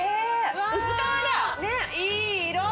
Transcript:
いい色！